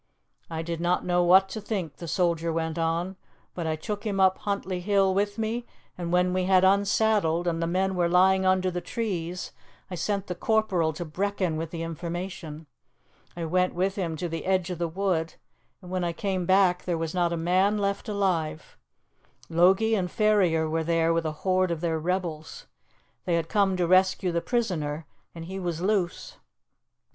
"I did not know what to think," the soldier went on; "but I took him up Huntly Hill with me, and when we had unsaddled, and the men were lying under the trees, I sent the corporal to Brechin with the information. I went with him to the edge of the wood, and when I came back there was not a man left alive. Logie and Ferrier were there with a horde of their rebels. They had come to rescue the prisoner, and he was loose."